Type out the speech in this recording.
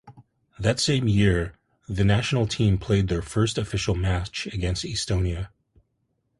That same year the national team played their first official match against Estonia.